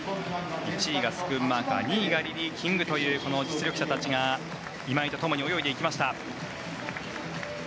１位がスクンマーカー２位がリリー・キングというこの実力者たちが今井と共に泳いでいきました。